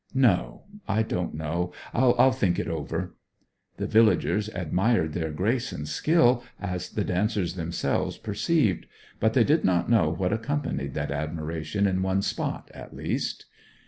'No I don't know. I'll think it over.' The villagers admired their grace and skill, as the dancers themselves perceived; but they did not know what accompanied that admiration in one spot, at least.